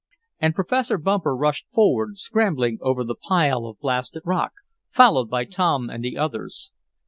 And Professor Bumper rushed forward, scrambling over the pile of blasted rock, followed by Tom and the others.